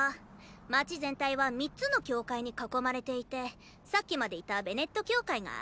街全体は３つの教会に囲まれていてさっきまでいたベネット教会があそこだ。